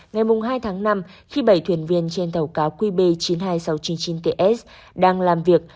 ngày hai tháng năm khi bảy thuyền viên trên tàu cá qb chín mươi hai nghìn sáu trăm chín mươi chín ts đang làm việc